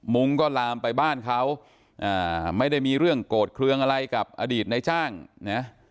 มุ้งก็ลามไปบ้านเขาอ่าไม่ได้มีเรื่องโกรธเครื่องอะไรกับอดีตในจ้างนะ